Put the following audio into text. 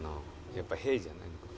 やっぱヘイじゃないのかな？